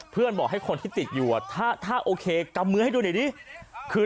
เพื่อน์บอกให้คนที่ติดอยู่ถ้าโอเคกำมือให้ดูหน่อย